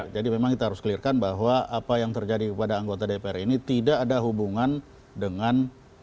jadi memang kita harus clearkan bahwa apa yang terjadi kepada anggota dpr ini tidak ada hubungan dengan